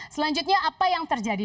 selanjutnya apa yang terjadi